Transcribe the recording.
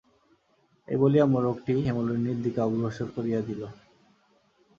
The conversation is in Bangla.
এই বলিয়া মোড়কটি হেমনলিনীর দিকে অগ্রসর করিয়া দিল।